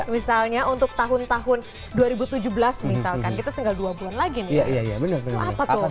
misalnya untuk tahun tahun dua ribu tujuh belas misalkan kita tinggal dua bulan lagi nih